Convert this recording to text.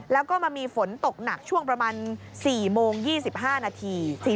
แล้วก็มามีฝนตกหนักช่วงประมาณ๔โมง๒๕นาที